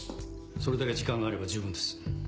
それだけ時間があれば十分です。